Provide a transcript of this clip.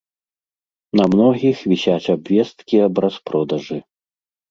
На многіх вісяць абвесткі аб распродажы.